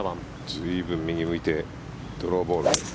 随分、右向いてドローボール。